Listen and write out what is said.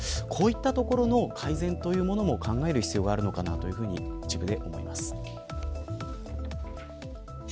こういったところの改善も考える必要もあるのかなと一部で思います。